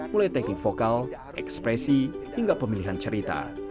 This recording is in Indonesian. mulai teknik vokal ekspresi hingga pemilihan cerita